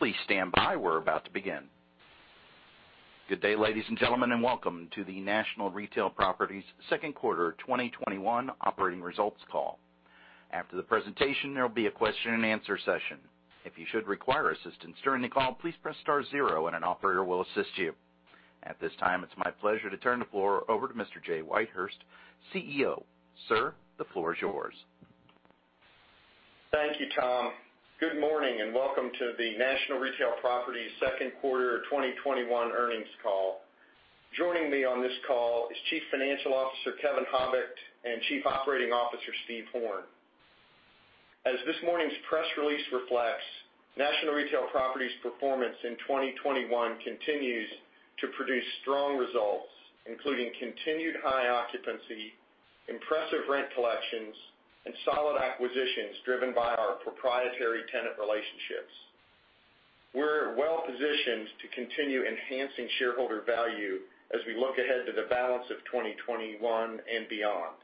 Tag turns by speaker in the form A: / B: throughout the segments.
A: Good day, ladies and gentlemen, and welcome to the National Retail Properties Q2 2021 operating results call. After the presentation, there will be a question and answer session. If you should require assistance during the call press star zero and an operator will assist you. At this time, it's my pleasure to turn the floor over to Mr. Julian Whitehurst, CEO. Sir, the floor is yours.
B: Thank you, Tom. Good morning and welcome to the National Retail Properties Q2 2021 earnings call. Joining me on this call is Chief Financial Officer, Kevin Habicht, and Chief Operating Officer, Steve Horn. As this morning's press release reflects, National Retail Properties' performance in 2021 continues to produce strong results, including continued high occupancy, impressive rent collections, and solid acquisitions driven by our proprietary tenant relationships. We're well-positioned to continue enhancing shareholder value as we look ahead to the balance of 2021 and beyond.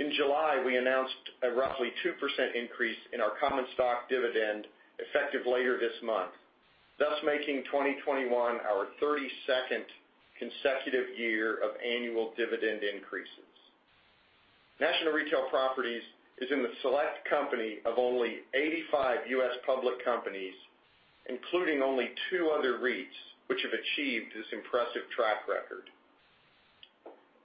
B: In July, we announced a roughly 2% increase in our common stock dividend effective later this month, thus making 2021 our 32nd consecutive year of annual dividend increases. National Retail Properties is in the select company of only 85 U.S. public companies, including only two other REITs, which have achieved this impressive track record.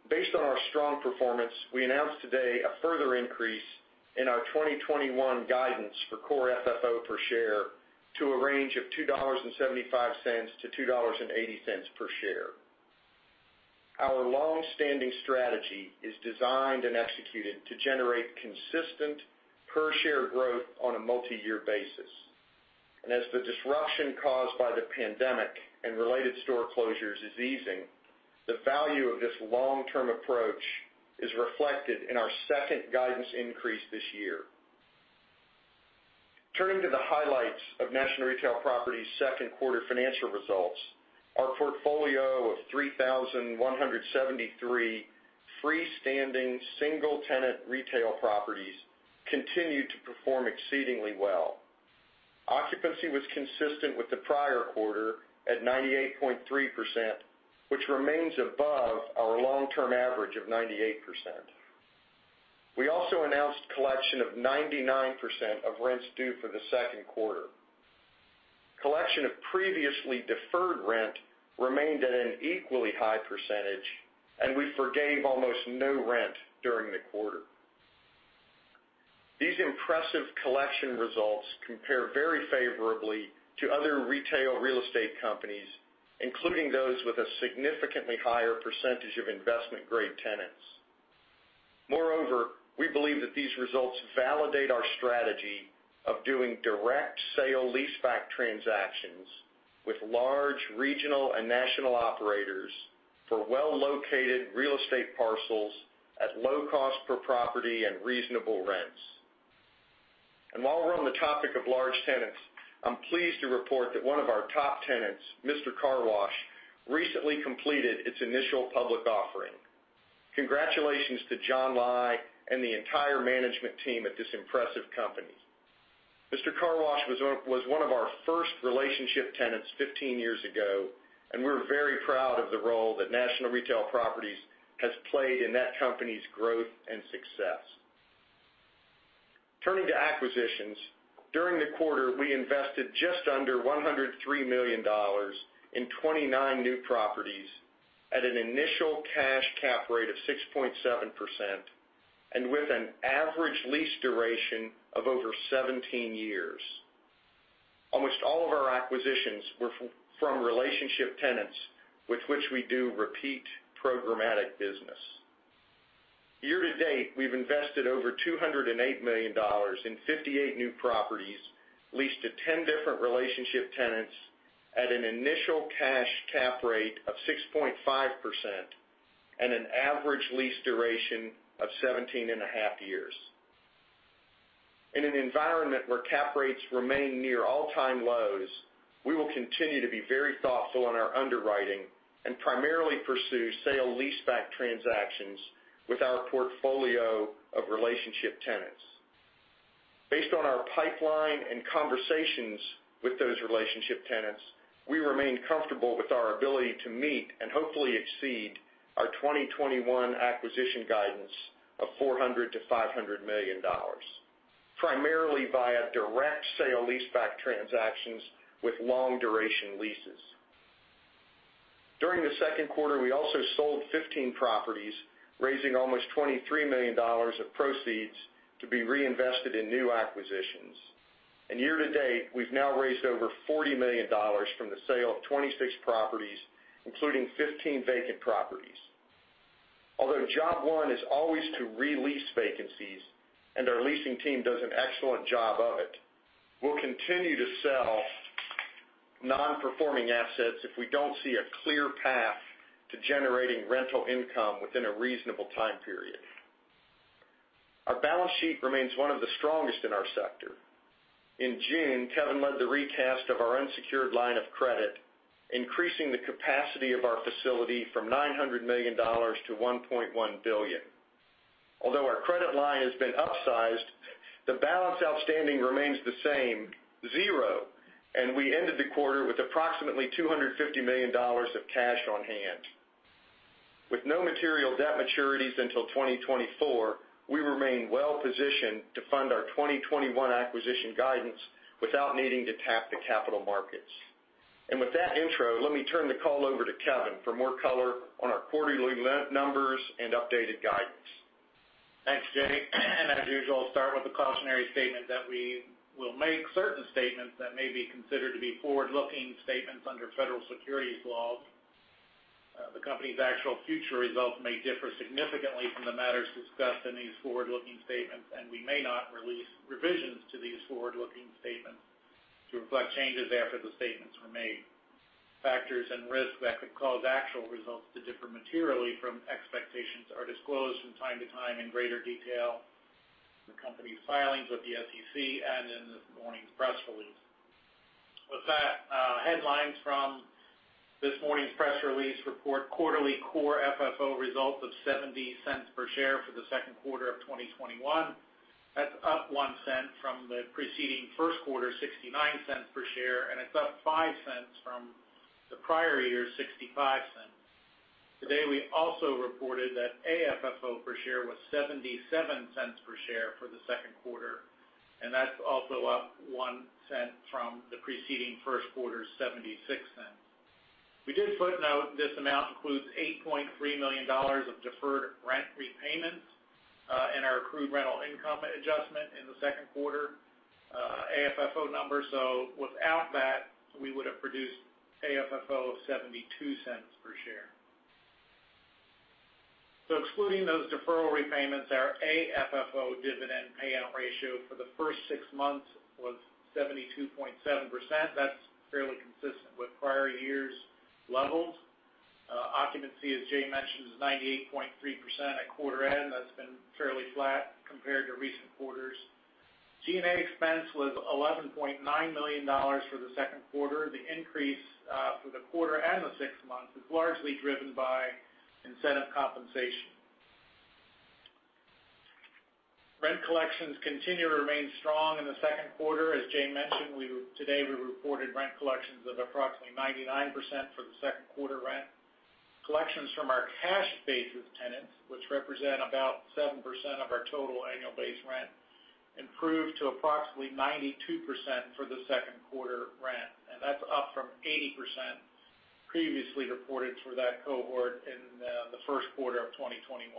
B: Based on our strong performance, we announced today a further increase in our 2021 guidance for Core FFO per share to a range of $2.75-$2.80 per share. Our long-standing strategy is designed and executed to generate consistent per share growth on a multiyear basis, and as the disruption caused by the pandemic and related store closures is easing, the value of this long-term approach is reflected in our second guidance increase this year. Turning to the highlights of National Retail Properties' Q2 financial results, our portfolio of 3,173 freestanding single-tenant retail properties continued to perform exceedingly well. Occupancy was consistent with the prior quarter at 98.3%, which remains above our long-term average of 98%. We also announced collection of 99% of rents due for the Q2. Collection of previously deferred rent remained at an equally high percentage, and we forgave almost no rent during the quarter. These impressive collection results compare very favorably to other retail real estate companies, including those with a significantly higher percentage of investment-grade tenants. Moreover, we believe that these results validate our strategy of doing direct sale leaseback transactions with large regional and national operators for well-located real estate parcels at low cost per property and reasonable rents. While we're on the topic of large tenants, I'm pleased to report that one of our top tenants, Mister Car Wash, recently completed its initial public offering. Congratulations to John Lai and the entire management team at this impressive company. Mister Car Wash was one of our first relationship tenants 15 years ago, and we're very proud of the role that National Retail Properties has played in that company's growth and success. Turning to acquisitions, during the quarter, we invested just under $103 million in 29 new properties at an initial cash cap rate of 6.7% and with an average lease duration of over 17 years. Almost all of our acquisitions were from relationship tenants with which we do repeat programmatic business. Year to date, we've invested over $208 million in 58 new properties leased to 10 different relationship tenants at an initial cash cap rate of 6.5% and an average lease duration of 17.5 years. In an environment where cap rates remain near all-time lows, we will continue to be very thoughtful in our underwriting and primarily pursue sale leaseback transactions with our portfolio of relationship tenants. Based on our pipeline and conversations with those relationship tenants, we remain comfortable with our ability to meet and hopefully exceed our 2021 acquisition guidance of $400 million-$500 million, primarily via direct sale leaseback transactions with long duration leases. During the Q2, we also sold 15 properties, raising almost $23 million of proceeds to be reinvested in new acquisitions. Year-to-date, we've now raised over $40 million from the sale of 26 properties, including 15 vacant properties. Although job one is always to re-lease vacancies, and our leasing team does an excellent job of it, we'll continue to sell non-performing assets if we don't see a clear path to generating rental income within a reasonable time period. Our balance sheet remains one of the strongest in our sector. In June, Kevin led the recast of our unsecured line of credit, increasing the capacity of our facility from $900 million-$1.1 billion. Although our credit line has been upsized, the balance outstanding remains the same, zero, and we ended the quarter with approximately $250 million of cash on hand. With no material debt maturities until 2024, we remain well-positioned to fund our 2021 acquisition guidance without needing to tap the capital markets. With that intro, let me turn the call over to Kevin for more color on our quarterly numbers and updated guidance.
C: Thanks, Jay. As usual, I'll start with the cautionary statement that we will make certain statements that may be considered to be forward-looking statements under federal securities laws. The company's actual future results may differ significantly from the matters discussed in these forward-looking statements, and we may not release revisions to these forward-looking statements to reflect changes after the statements were made. Factors and risks that could cause actual results to differ materially from expectations are disclosed from time to time in greater detail in the company's filings with the SEC and in this morning's press release. With that, headlines from this morning's press release report quarterly Core FFO results of $0.70 per share for the Q2 of 2021. That's up $0.01 from the preceding Q1, $0.69 per share, and it's up $0.05 from the prior year's $0.65. Today, we also reported that AFFO per share was $0.77 per share for the Q2. That's also up $0.01 from the preceding Q1's $0.76. We did footnote this amount includes $8.3 million of deferred rent repayments, and our accrued rental income adjustment in the Q2 AFFO number. Without that, we would've produced AFFO of $0.72 per share. Excluding those deferral repayments, our AFFO dividend payout ratio for the first six months was 72.7%. That's fairly consistent with prior years' levels. Occupancy, as Julian Whitehurst mentioned, is 98.3% at quarter end. That's been fairly flat compared to recent quarters. G&A expense was $11.9 million for the Q2. The increase for the quarter and the six months is largely driven by incentive compensation. Rent collections continue to remain strong in the Q2. As Julian Whitehurst mentioned, today, we reported rent collections of approximately 99% for the Q2 rent. Collections from our cash-basis tenants, which represent about 7% of our total annual base rent, improved to approximately 92% for the Q2 rent, and that's up from 80% previously reported for that cohort in the Q1 of 2021.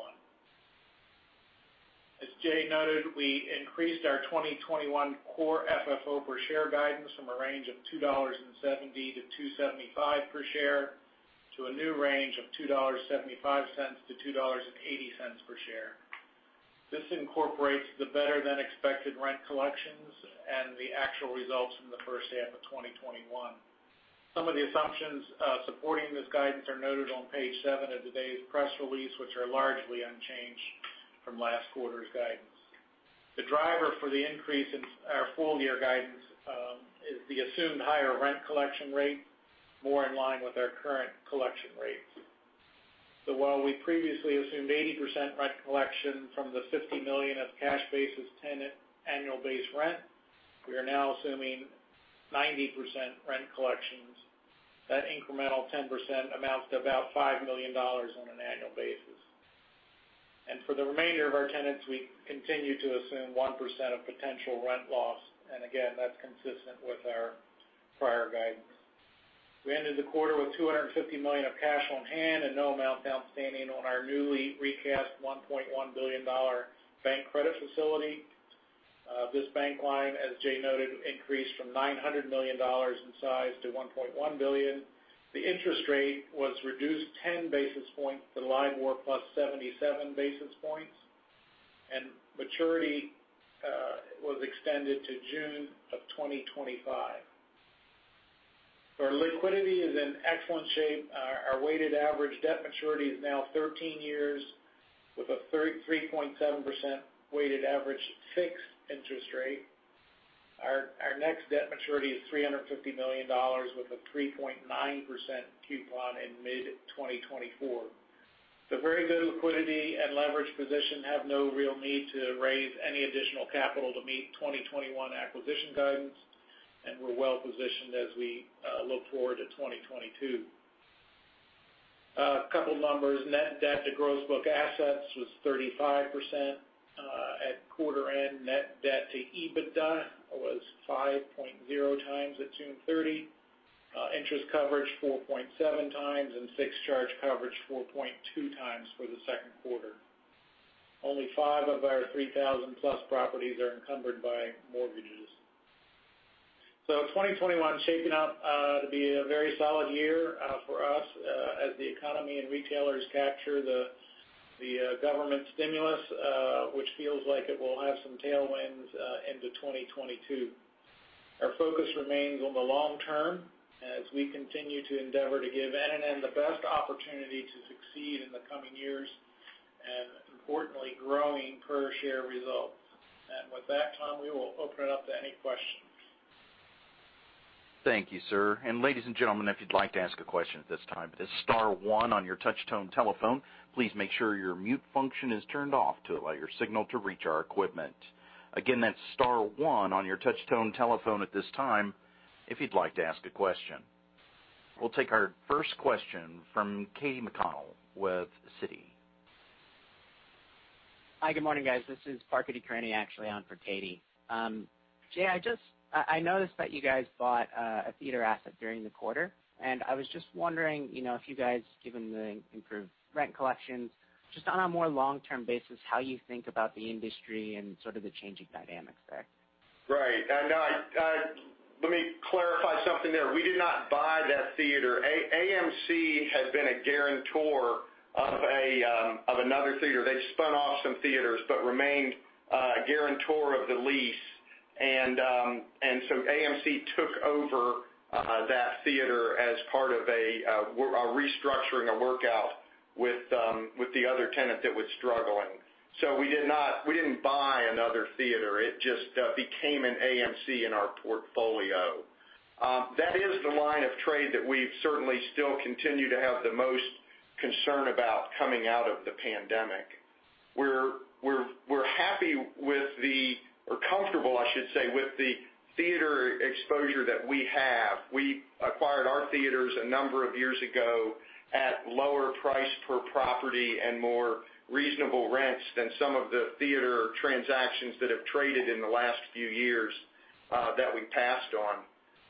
C: As Julian Whitehurst noted, we increased our 2021 Core FFO per share guidance from a range of $2.70-$2.75 per share to a new range of $2.75-$2.80 per share. This incorporates the better-than-expected rent collections and the actual results from the H1 of 2021. Some of the assumptions supporting this guidance are noted on page 7 of today's press release, which are largely unchanged from last quarter's guidance. The driver for the increase in our full-year guidance is the assumed higher rent collection rate, more in line with our current collection rates. While we previously assumed 80% rent collection from the $50 million of cash-basis tenant annual base rent, we are now assuming 90% rent collections. That incremental 10% amounts to about $5 million on an annual basis. For the remainder of our tenants, we continue to assume 1% of potential rent loss. Again, that's consistent with our prior guidance. We ended the quarter with $250 million of cash on hand and no amount outstanding on our newly recast $1.1 billion bank credit facility. This bank line, as Jay noted, increased from $900 million in size to $1.1 billion. The interest rate was reduced 10 basis points to LIBOR plus 77 basis points, and maturity was extended to June of 2025. Our liquidity is in excellent shape. Our weighted average debt maturity is now 13 years with a 33.7% weighted average fixed interest rate. Our next debt maturity is $350 million with a 3.9% coupon in mid-2024. Very good liquidity and leverage position. Have no real need to raise any additional capital to meet 2021 acquisition guidance, and we're well-positioned as we look forward to 2022. A couple numbers. Net debt to gross book assets was 35% at quarter end. Net debt to EBITDA was 5.0x at June 30. Interest coverage, 4.7x, and fixed charge coverage 4.2x for the Q2. Only five of our 3,000+ properties are encumbered by mortgages. 2021 is shaping up to be a very solid year for us as the economy and retailers capture the government stimulus, which feels like it will have some tailwinds into 2022. Our focus remains on the long term as we continue to endeavor to give NNN the best opportunity to succeed in the coming years, and importantly, growing per-share results. With that, Tom, we will open it up to any questions.
A: Thank you, sir. Ladies and gentlemen, if you would like to ask a question, please dial star one on your touch tone tone telephone. Please, make sure your mute function is turned off to allow your signal to reach our equipment. Again, it's star one on your touch tone telephone at this time if you would like to ask a question. We'll take our first question from Katy McConnell with Citi.
D: Hi, good morning, guys. This is Parker Decraene actually on for Katy. Jay, I noticed that you guys bought a theater asset during the quarter. I was just wondering, if you guys, given the improved rent collections, just on a more long-term basis, how you think about the industry and sort of the changing dynamics there.
B: Right. Let me clarify something there. We did not buy that theater. AMC had been a guarantor of another theater. They spun off some theaters, but remained a guarantor of the lease. AMC took over that theater as part of a restructuring, a workout with the other tenant that was struggling. We didn't buy another theater. It just became an AMC in our portfolio. That is the line of trade that we certainly still continue to have the most concern about coming out of the pandemic. We're happy with the or comfortable, I should say, with the theater exposure that we have. We acquired our theaters a number of years ago at lower price per property and more reasonable rents than some of the theater transactions that have traded in the last few years that we passed on.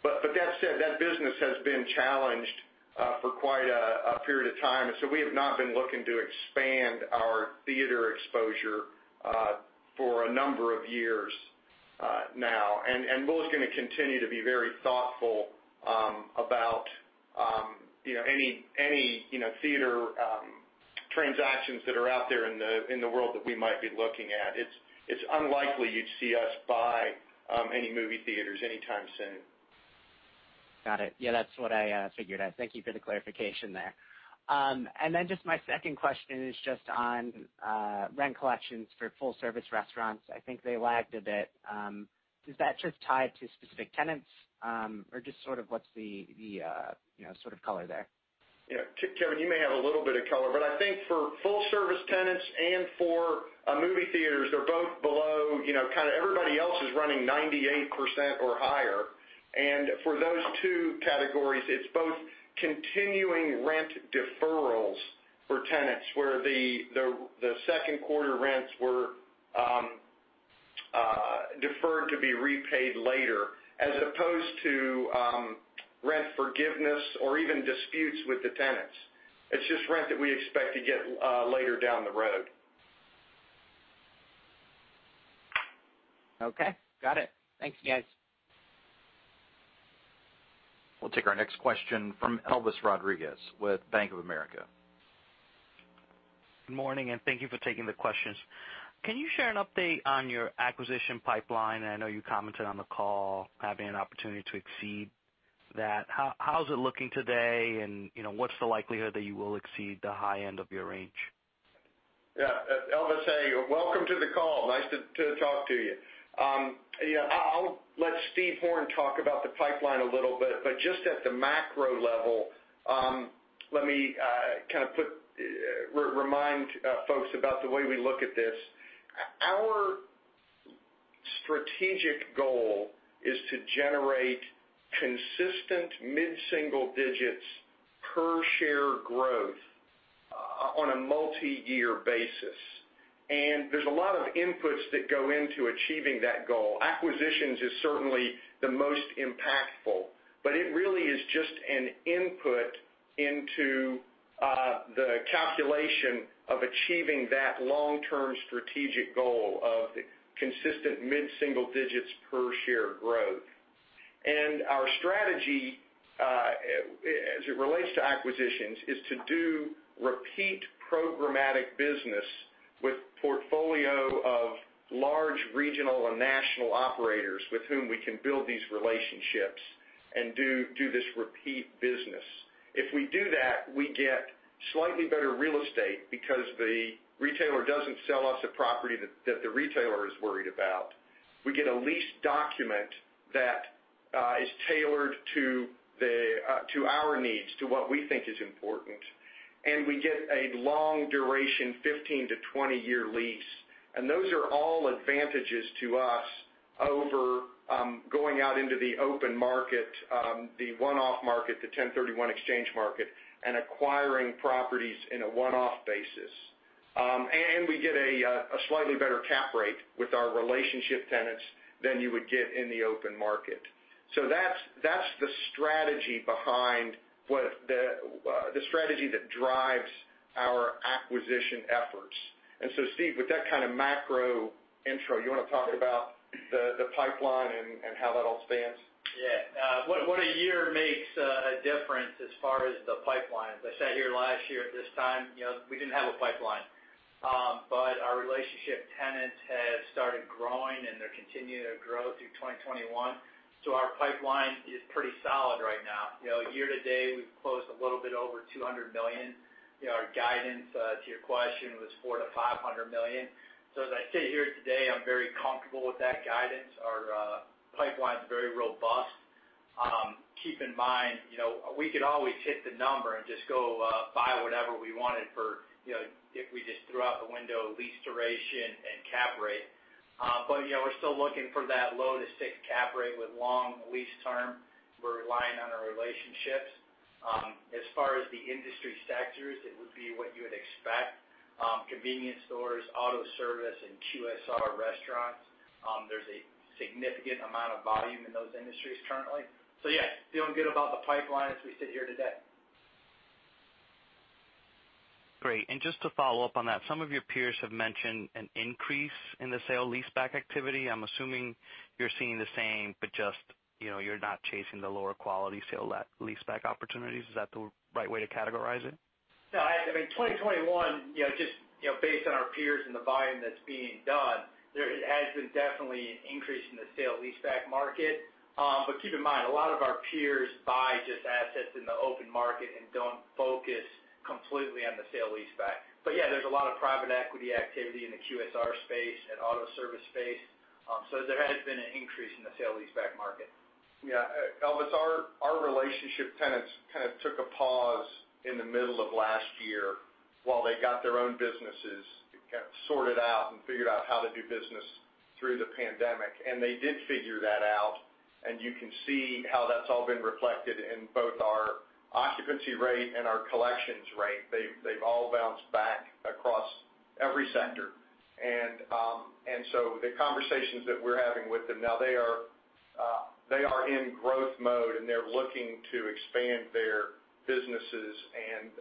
B: That said, that business has been challenged for quite a period of time. We have not been looking to expand our theater exposure for a number of years now. Willis is going to continue to be very thoughtful about any theater transactions that are out there in the world that we might be looking at. It's unlikely you'd see us buy any movie theaters anytime soon.
D: Got it. Yeah, that's what I figured out. Thank you for the clarification there. Then just my second question is just on rent collections for full service restaurants. I think they lagged a bit. Does that just tie to specific tenants? Or just sort of what's the sort of color there?
B: Yeah. Kevin, you may have a little bit of color, but I think for full service tenants and for movie theaters, they're both below, kind of everybody else is running 98% or higher. For those two categories, it's both continuing rent deferrals for tenants, where the Q2 rents were deferred to be repaid later, as opposed to rent forgiveness or even disputes with the tenants. It's just rent that we expect to get later down the road.
D: Okay. Got it. Thanks, guys.
A: We'll take our next question from Elvis Rodriguez with Bank of America.
E: Good morning. Thank you for taking the questions. Can you share an update on your acquisition pipeline? I know you commented on the call, having an opportunity to exceed that. How's it looking today, and what's the likelihood that you will exceed the high end of your range?
B: Yeah. Elvis, hey. Welcome to the call. Nice to talk to you. Yeah, I'll let Steve Horn talk about the pipeline a little bit, but just at the macro level, let me kind of remind folks about the way we look at this. Our strategic goal is to generate consistent mid-single digits per share growth on a multi-year basis. There's a lot of inputs that go into achieving that goal. Acquisitions is certainly the most impactful, but it really is just an input into the calculation of achieving that long-term strategic goal of the consistent mid-single digits per share growth. Our strategy, as it relates to acquisitions, is to do repeat programmatic business with portfolio of large regional and national operators with whom we can build these relationships and do this repeat business. If we do that, we get slightly better real estate because the retailer doesn't sell us a property that the retailer is worried about. We get a lease document that is tailored to our needs, to what we think is important. We get a long duration, 15-20 year lease. Those are all advantages to us over going out into the open market, the one-off market, the 1031 exchange market, and acquiring properties in a one-off basis. We get a slightly better cap rate with our relationship tenants than you would get in the open market. That's the strategy that drives our acquisition efforts. Steve, with that kind of macro intro, you want to talk about the pipeline and how that all stands?
F: Yeah. What a year makes a difference as far as the pipeline. I sat here last year at this time, we didn't have a pipeline. Our relationship tenants have started growing, and they're continuing to grow through 2021. Our pipeline is pretty solid here today, we've closed a little bit over $200 million. Our guidance, to your question, was $400 million-$500 million. As I sit here today, I'm very comfortable with that guidance. Our pipeline's very robust. Keep in mind, we could always hit the number and just go buy whatever we wanted if we just threw out the window lease duration and cap rate. We're still looking for that low to six cap rate with long lease term. We're relying on our relationships. As far as the industry sectors, it would be what you would expect. Convenience stores, auto service, and QSR restaurants. There's a significant amount of volume in those industries currently. Yes, feeling good about the pipeline as we sit here today.
E: Great. Just to follow up on that, some of your peers have mentioned an increase in the sale leaseback activity. I'm assuming you're seeing the same, but just you're not chasing the lower quality sale leaseback opportunities. Is that the right way to categorize it?
F: No. In 2021, just based on our peers and the volume that's being done, there has been definitely an increase in the sale leaseback market. Keep in mind, a lot of our peers buy just assets in the open market and don't focus completely on the sale leaseback. Yeah, there's a lot of private equity activity in the QSR space and auto service space. There has been an increase in the sale leaseback market.
B: Yeah. Elvis Rodriguez, our relationship tenants kind of took a pause in the middle of last year while they got their own businesses kind of sorted out and figured out how to do business through the pandemic. They did figure that out, and you can see how that's all been reflected in both our occupancy rate and our collections rate. They've all bounced back across every sector. The conversations that we're having with them now, they are in growth mode, and they're looking to expand their businesses.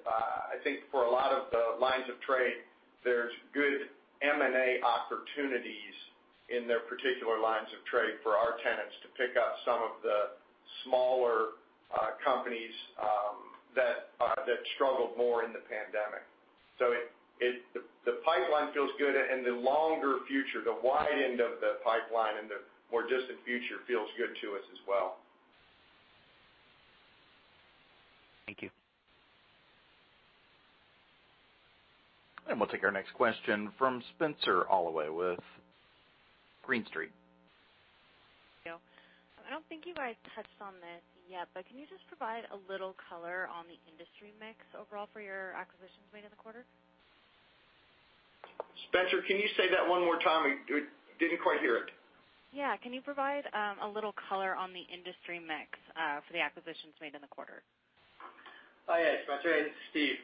B: I think for a lot of the lines of trade, there's good M&A opportunities in their particular lines of trade for our tenants to pick up some of the smaller companies that struggled more in the pandemic. The pipeline feels good, and the longer future, the wide end of the pipeline and the more distant future feels good to us as well.
E: Thank you.
A: We'll take our next question from Spenser Allaway with Green Street.
G: Thank you. I don't think you guys touched on this yet, but can you just provide a little color on the industry mix overall for your acquisitions made in the quarter?
B: Spenser, can you say that one more time? Didn't quite hear it.
G: Yeah. Can you provide a little color on the industry mix for the acquisitions made in the quarter?
F: Oh, yeah, Spenser. Hey, this is Steve.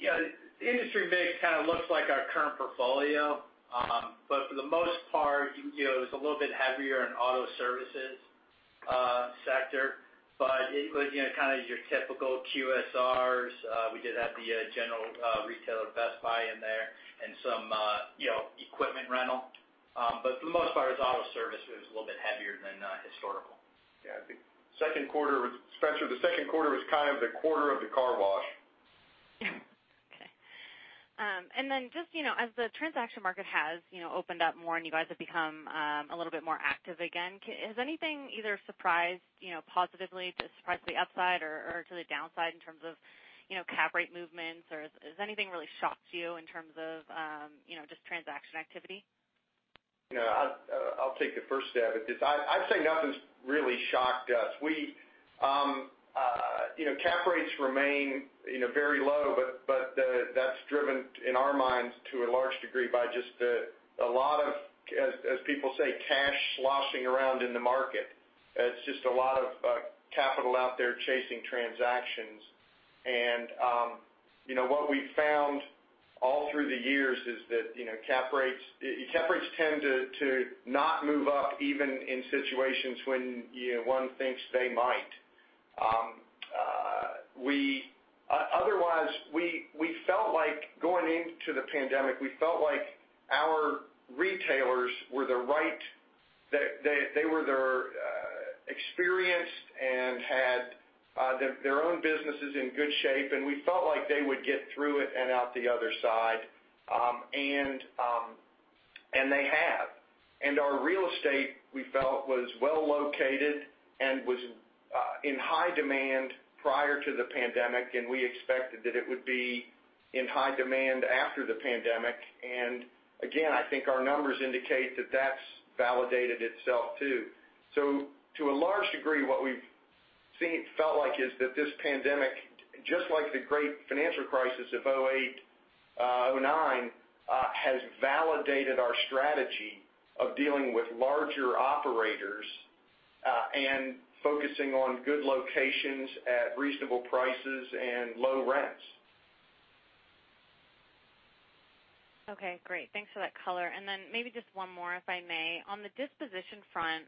F: Yeah. The industry mix kind of looks like our current portfolio. For the most part, it was a little bit heavier on auto services sector. It was kind of your typical QSRs. We did have the general retailer Best Buy in there and some equipment rental. For the most part, it was auto service. It was a little bit heavier than historical.
B: Yeah. Spenser, the Q2 was kind of the quarter of the car wash.
G: Okay. Just as the transaction market has opened up more and you guys have become a little bit more active again, has anything either surprised positively to the upside or to the downside in terms of cap rate movements? Or has anything really shocked you in terms of just transaction activity?
B: No. I'll take the first stab at this. I'd say nothing's really shocked us. Cap rates remain very low, but that's driven, in our minds, to a large degree by just a lot of, as people say, cash sloshing around in the market. It's just a lot of capital out there chasing transactions. What we've found all through the years is that cap rates tend to not move up even in situations when one thinks they might. Otherwise, going into the pandemic, we felt like our retailers were experienced and had their own businesses in good shape, and we felt like they would get through it and out the other side, and they have. Our real estate, we felt, was well-located and was in high demand prior to the pandemic, and we expected that it would be in high demand after the pandemic. Again, I think our numbers indicate that that's validated itself, too. To a large degree, what we've felt like is that this pandemic, just like the great financial crisis of 2008, 2009, has validated our strategy of dealing with larger operators, and focusing on good locations at reasonable prices and low rents.
G: Okay, great. Thanks for that color. Maybe just one more, if I may. On the disposition front,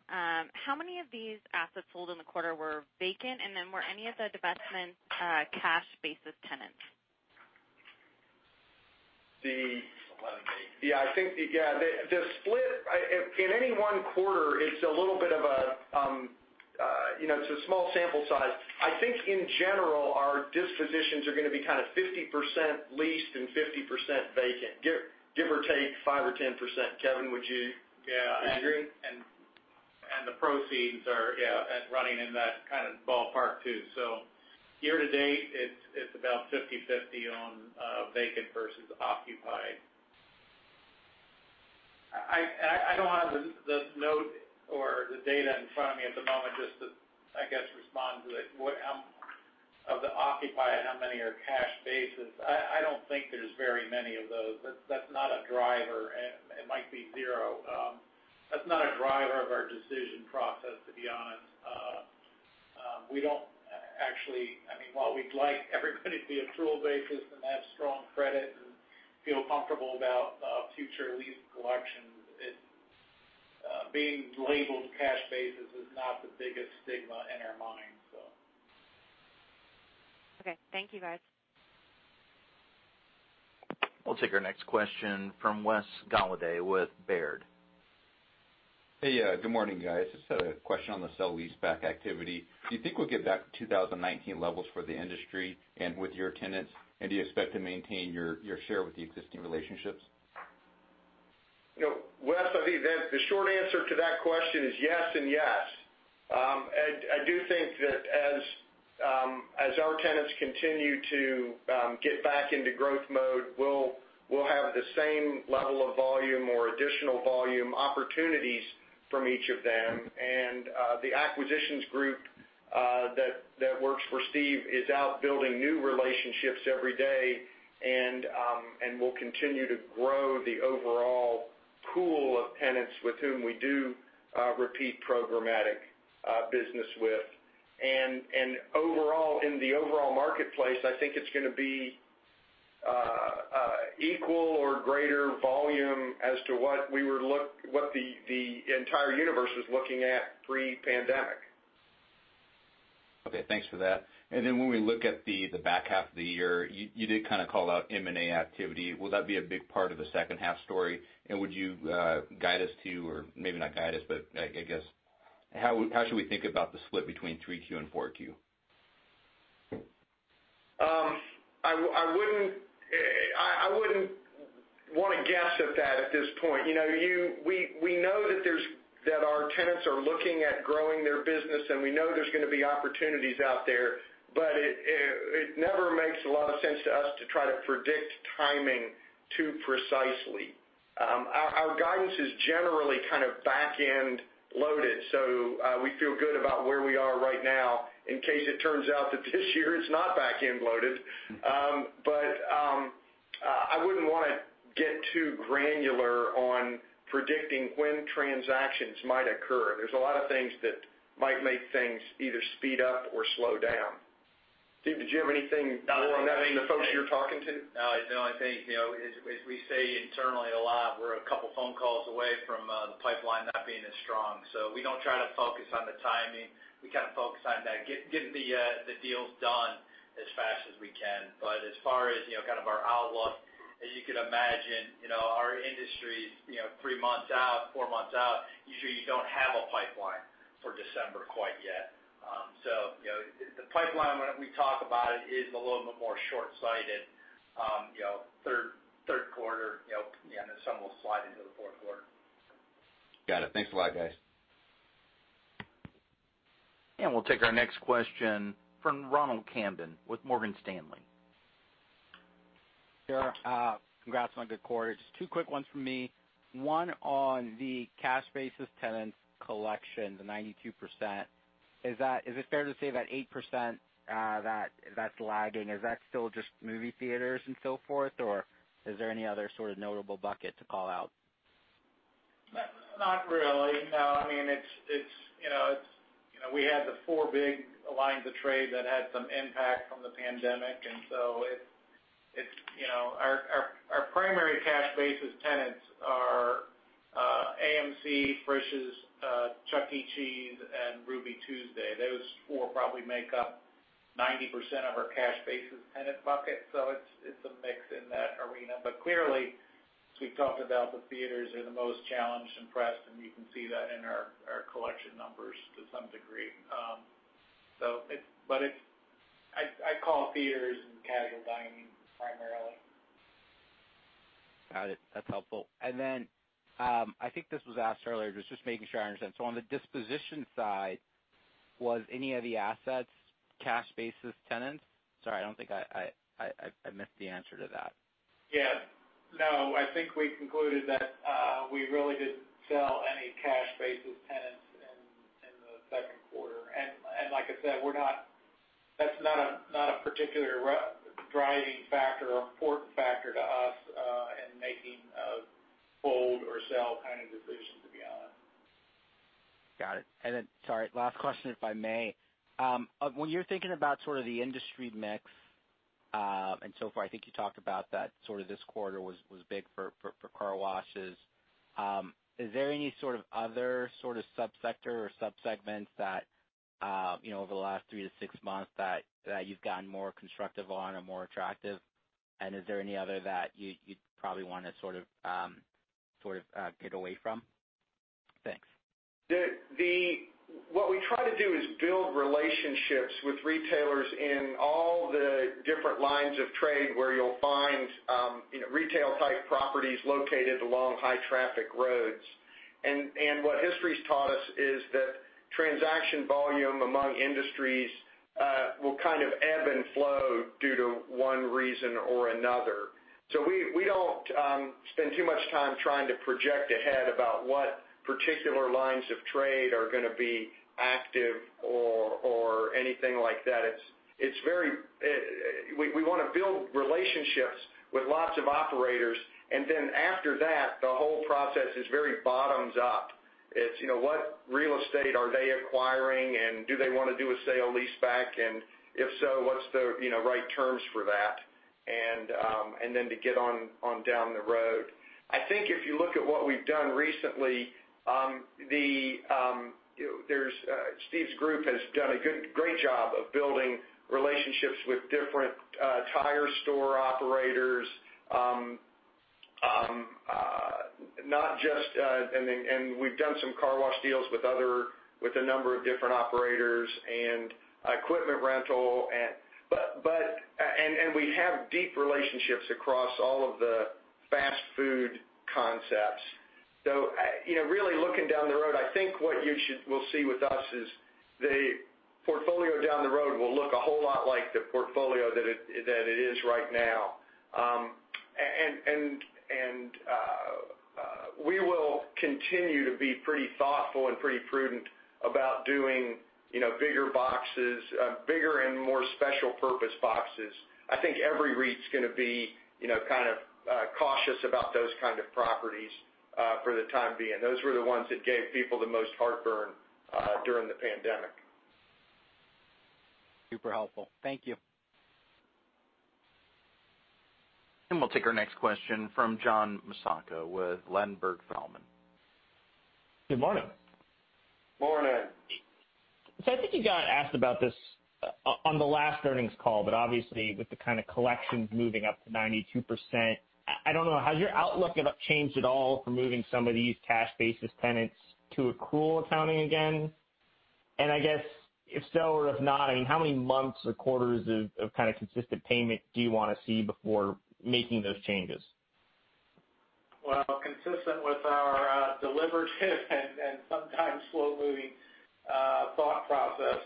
G: how many of these assets sold in the quarter were vacant? Were any of the divestment cash-basis tenants?
B: Yeah. The split in any Q1, it's a small sample size. I think in general, our dispositions are going to be kind of 50% leased and 50% vacant, give or take 5% or 10%. Kevin, would you agree?
C: The proceeds are running in that kind of ballpark too. Year to date, it's about 50/50 on vacant versus occupied. I don't have the note or the data in front of me at the moment just to, I guess, respond to it. Of the occupied, how many are cash basis? I don't think there's very many of those. That's not a driver. It might be zero. That's not a driver of our decision process, to be honest. While we'd like everybody to be accrual basis and have strong credit, and feel comfortable about future lease collections, being labeled cash basis is not the biggest stigma in our minds.
G: Okay. Thank you, guys.
A: We'll take our next question from Wesley Golladay with Baird.
H: Hey, good morning, guys. Just had a question on the sale leaseback activity. Do you think we'll get back to 2019 levels for the industry and with your tenants? Do you expect to maintain your share with the existing relationships?
B: Wes, I think the short answer to that question is yes and yes. I do think that as our tenants continue to get back into growth mode, we'll have the same level of volume or additional volume opportunities from each of them. The acquisitions group that works for Steve is out building new relationships every day, and we'll continue to grow the overall pool of tenants with whom we do repeat programmatic business with. In the overall marketplace, I think it's going to be equal or greater volume as to what the entire universe was looking at pre-pandemic.
H: Okay. Thanks for that. When we look at the back half of the year, you did kind of call out M&A activity. Will that be a big part of the second half story? Would you guide us to, or maybe not guide us, but I guess, how should we think about the split between Q3 and Q4?
B: I wouldn't want to guess at that at this point. We know that our tenants are looking at growing their business, and we know there's going to be opportunities out there, but it never makes a lot of sense to us to try to predict timing too precisely. Our guidance is generally kind of back-end loaded, so we feel good about where we are right now in case it turns out that this year is not back-end loaded. But I wouldn't want to get too granular on predicting when transactions might occur. There's a lot of things that might make things either speed up or slow down. Steve, did you have anything more on that from the folks you're talking to?
F: The only thing, as we say internally a lot, we're a couple of phone calls away from the pipeline not being as strong. We don't try to focus on the timing. We kind of focus on getting the deals done as fast as we can. As far as our outlook, as you could imagine, our industry, three months out, four months out, usually you don't have a pipeline for December quite yet. The pipeline, when we talk about it, is a little bit more short-sighted. Q3, some will slide into the Q4.
H: Got it. Thanks a lot, guys.
A: We'll take our next question from Ronald Kamdem with Morgan Stanley.
I: Sure. Congrats on a good quarter. Just two quick ones from me. One on the cash basis tenants collection, the 92%. Is it fair to say that 8% that's lagging, is that still just movie theaters and so forth? Is there any other sort of notable bucket to call out?
C: Not really, no. We had the four big lines of trade that had some impact from the pandemic, and so our primary cash basis tenants are AMC, Frisch's, Chuck E. Cheese, and Ruby Tuesday. Those four probably make up 90% of our cash basis tenant bucket. It's a mix in that arena. Clearly, as we've talked about, the theaters are the most challenged and pressed, and you can see that in our collection numbers to some degree. I'd call theaters and casual dining primarily.
I: Got it. That's helpful. I think this was asked earlier, just making sure I understand. On the disposition side, was any of the assets cash basis tenants? Sorry, I missed the answer to that.
C: Yeah. No, I think we concluded that we really didn't sell any cash basis tenants in the Q2. Like I said, that's not a particular driving factor or important factor to us in making a hold or sell kind of decision, to be honest.
I: Got it. Then, sorry, last question, if I may. When you're thinking about sort of the industry mix, so far, I think you talked about that sort of this quarter was big for car washes. Is there any sort of other sort of sub-sector or sub-segments that, over the last 3-6 months, that you've gotten more constructive on or more attractive? Is there any other that you'd probably want to sort of get away from? Thanks.
B: What we try to do is build relationships with retailers in all the different lines of trade where you'll find retail-type properties located along high-traffic roads. What history's taught us is that transaction volume among industries will kind of ebb and flow due to one reason or another. We don't spend too much time trying to project ahead about what particular lines of trade are going to be active or anything like that. We want to build relationships with lots of operators, after that, the whole process is very bottoms up. It's what real estate are they acquiring, and do they want to do a sale-leaseback? If so, what's the right terms for that? To get on down the road. I think if you look at what we've done recently, Steve's group has done a great job of building relationships with different tire store operators. We've done some car wash deals with a number of different operators and equipment rental. We have deep relationships across all of the fast food concepts. Really looking down the road, I think what you will see with us is the portfolio down the road will look a whole lot like the portfolio that it is right now. We will continue to be pretty thoughtful and pretty prudent about doing bigger and more special-purpose boxes. I think every REIT's going to be kind of cautious about those kind of properties for the time being. Those were the ones that gave people the most heartburn during the pandemic.
I: Super helpful. Thank you.
A: We'll take our next question from John Massocca with Ladenburg Thalmann.
J: Good morning.
B: Morning.
J: I think you got asked about this on the last earnings call, but obviously with the kind of collections moving up to 92%, I don't know, has your outlook changed at all for moving some of these cash basis tenants to accrual accounting again? I guess if so or if not, how many months or quarters of kind of consistent payment do you want to see before making those changes?
B: Well, consistent with our deliberative and sometimes slow-moving thought process,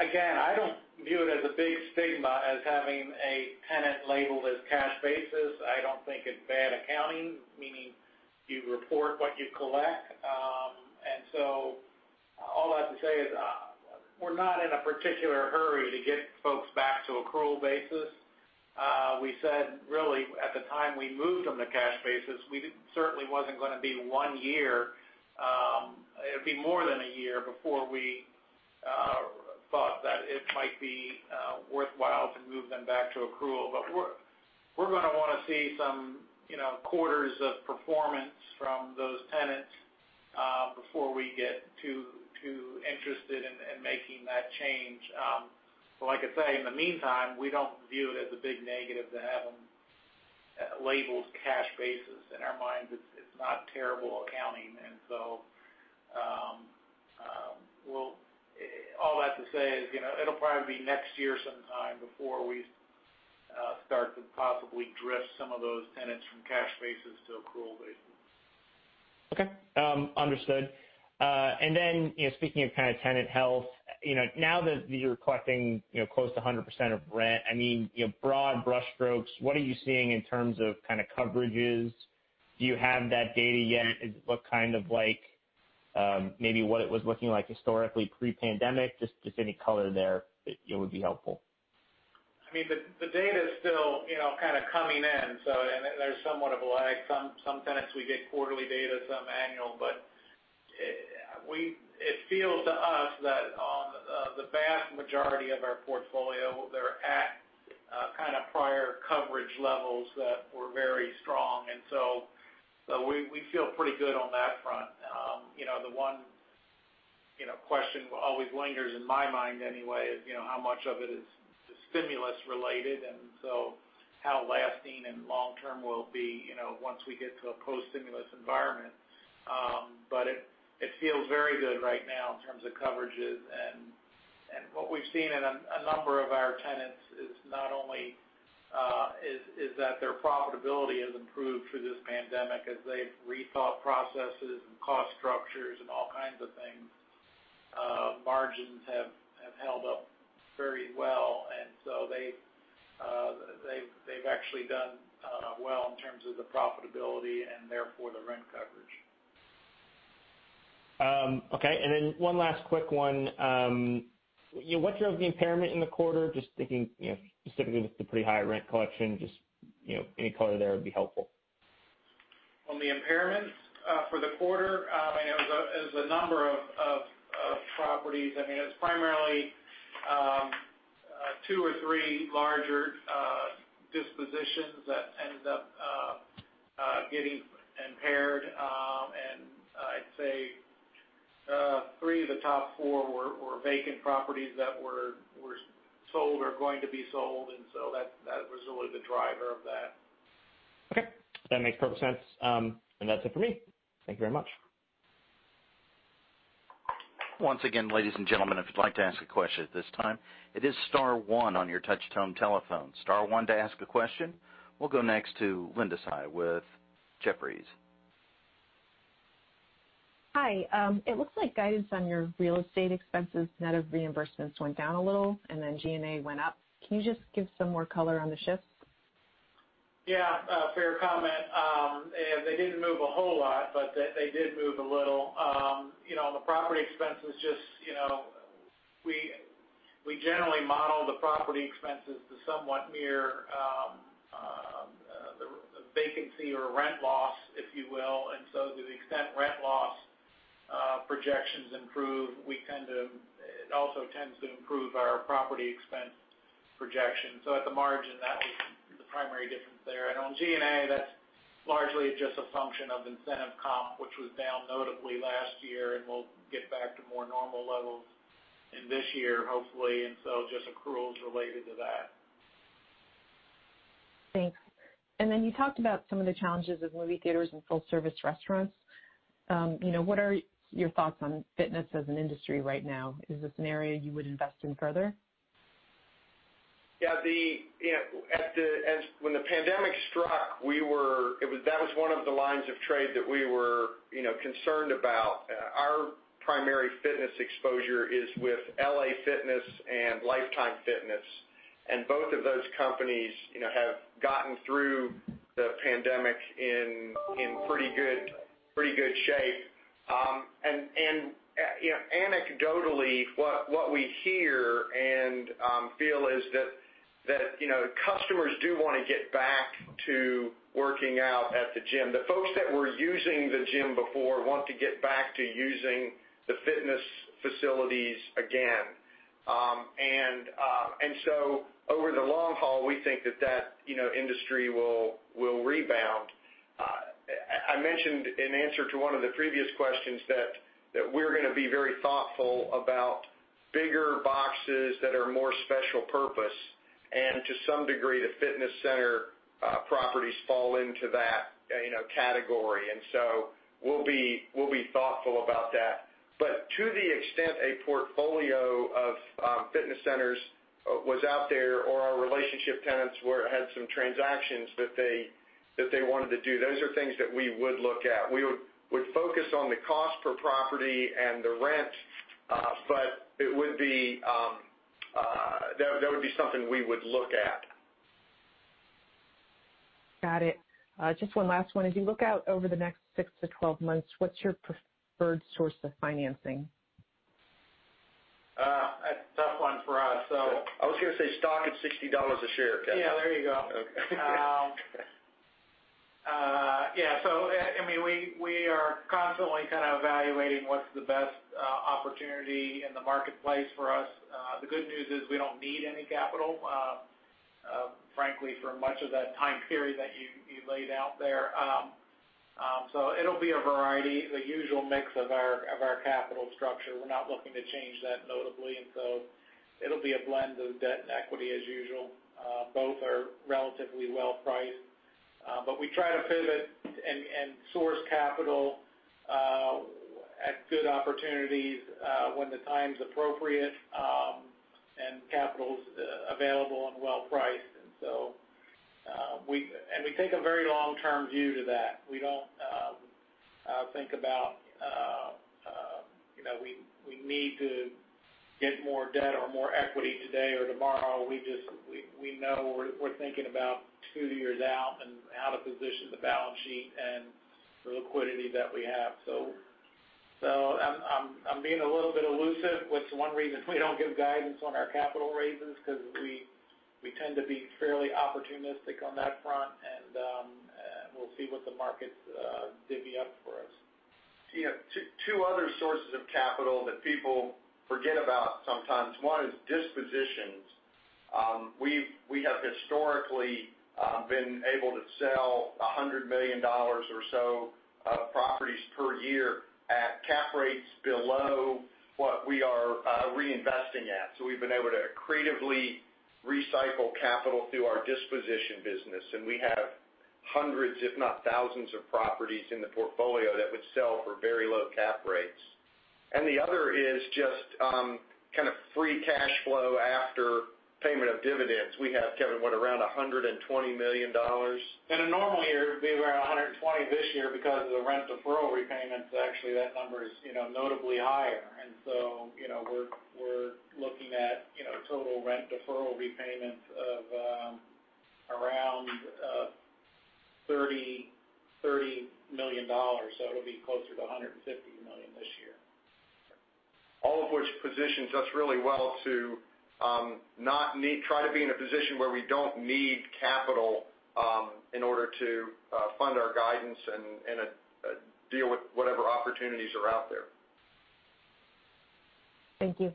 B: again, I don't view it as a big stigma as having a tenant labeled as cash basis. I don't think it's bad accounting, meaning you report what you collect. All I have to say is we're not in a particular hurry to get folks back to accrual basis. We said really at the time we moved them to cash basis, it certainly wasn't going to be one year. It'd be more than a year before we thought that it might be worthwhile to move them back to accrual. We're going to want to see some quarters of performance from those tenants before we get too interested in making that change. Like I say, in the meantime, we don't view it as a big negative to have them labeled cash basis. In our minds, it's not terrible accounting. All that to say is it'll probably be next year sometime before we start to possibly drift some of those tenants from cash basis to accrual basis.
J: Okay. Understood. Speaking of kind of tenant health, now that you're collecting close to 100% of rent, broad brush strokes, what are you seeing in terms of kind of coverages? Do you have that data yet? Is it what kind of like maybe what it was looking like historically pre-pandemic? Just any color there, it would be helpful.
B: The data's still kind of coming in, and there's somewhat of a lag. Some tenants we get quarterly data, some annual. It feels to us that on the vast majority of our portfolio, they're at kind of prior coverage levels that were very strong. We feel pretty good on that front. The one question always lingers in my mind anyway is how much of it is stimulus related, and so how lasting and long-term will it be once we get to a post-stimulus environment. It feels very good right now in terms of coverages. What we've seen in a number of our tenants is that their profitability has improved through this pandemic as they've rethought processes and cost structures and all kinds of things. Margins have held up very well, and so they've actually done well in terms of the profitability and therefore the rent coverage.
J: Okay, one last quick one. What drove the impairment in the quarter? Just thinking specifically with the pretty high rent collection, just any color there would be helpful.
B: On the impairments for the quarter, it was a number of properties. It was primarily two or three larger dispositions that ended up getting impaired. I'd say three of the top four were vacant properties that were sold or going to be sold, and so that was really the driver of that.
J: Okay. That makes perfect sense. That's it for me. Thank you very much.
A: Once again, ladies and gentlemen, if you'd like to ask a question at this time, it is star one on your touch-tone telephone. Star one to ask a question. We'll go next to Linda Tsai with Jefferies.
K: Hi. It looks like guidance on your real estate expenses, net of reimbursements, went down a little, and then G&A went up. Can you just give some more color on the shift?
C: Yeah. Fair comment. They didn't move a whole lot, but they did move a little. We generally model the property expenses to somewhat mirror the vacancy or rent loss, if you will. To the extent rent loss projections improve, it also tends to improve our property expense projections. At the margin, that was the primary difference there. On G&A, that's largely just a function of incentive comp, which was down notably last year, and we'll get back to more normal levels in this year, hopefully. Just accruals related to that.
K: Thanks. You talked about some of the challenges of movie theaters and full-service restaurants. What are your thoughts on fitness as an industry right now? Is this an area you would invest in further?
B: Yeah. When the pandemic struck, that was one of the lines of trade that we were concerned about. Our primary fitness exposure is with LA Fitness and Life Time, and both of those companies have gotten through the pandemic in pretty good shape. Anecdotally, what we hear and feel is that customers do want to get back to working out at the gym. The folks that were using the gym before want to get back to using the fitness facilities again. Over the long haul, we think that that industry will rebound. I mentioned in answer to one of the previous questions that we're going to be very thoughtful about bigger boxes that are more special purpose, and to some degree, the fitness center properties fall into that category. We'll be thoughtful about that. To the extent a portfolio of fitness centers was out there or our relationship tenants had some transactions that they wanted to do, those are things that we would look at. We would focus on the cost per property and the rent, but that would be something we would look at.
K: Got it. Just one last one. As you look out over the next 6-12 months, what's your preferred source of financing?
C: A tough one for us.
B: I was going to say stock at $60 a share, Kevin.
C: Yeah, there you go.
B: Okay.
C: Yeah. We are constantly kind of evaluating what's the best opportunity in the marketplace for us. The good news is we don't need any capital, frankly, for much of that time period that you laid out there. It'll be a variety, the usual mix of our capital structure. We're not looking to change that notably, it'll be a blend of debt and equity as usual. Both are relatively well priced. We try to pivot and source capital at good opportunities when the time's appropriate, and capital's available and well priced. We take a very long-term view to that. We don't think about we need to get more debt or more equity today or tomorrow. We know we're thinking about two years out and how to position the balance sheet and the liquidity that we have. I'm being a little bit elusive, which is one reason we don't give guidance on our capital raises because we tend to be fairly opportunistic on that front, and we'll see what the markets divvy up for us.
B: Two other sources of capital that people forget about sometimes. One is dispositions. We have historically been able to sell $100 million or so of properties per year at cap rates below what we are reinvesting at. We've been able to creatively recycle capital through our disposition business, and we have hundreds, if not thousands, of properties in the portfolio that would sell for very low cap rates. The other is just kind of free cash flow after payment of dividends. We have, Kevin, what, around $120 million?
C: In a normal year, it'd be around $120. This year, because of the rent deferral repayments, actually, that number is notably higher. We're looking at total rent deferral repayments of around $30 million. It'll be closer to $150 million this year.
B: All of which positions us really well to try to be in a position where we don't need capital in order to fund our guidance and deal with whatever opportunities are out there.
K: Thank you.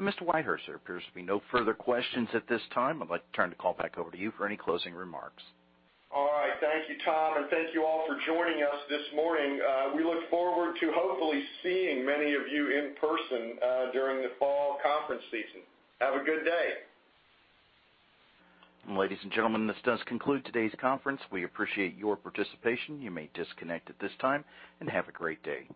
A: Mr. Whitehurst, there appears to be no further questions at this time. I'd like to turn the call back over to you for any closing remarks.
B: All right. Thank you, Tom, and thank you all for joining us this morning. We look forward to hopefully seeing many of you in person during the fall conference season. Have a good day.
A: Ladies and gentlemen, this does conclude today's conference. We appreciate your participation. You may disconnect at this time. Have a great day.